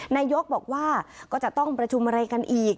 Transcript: นายกบอกว่าก็จะต้องประชุมอะไรกันอีก